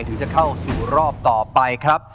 ถึงจะเข้าสู่รอบต่อไปครับ